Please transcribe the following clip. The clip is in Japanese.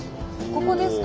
ここですか？